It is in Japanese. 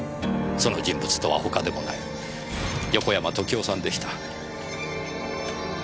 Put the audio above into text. その人物とは他でもない横山時雄さんでした。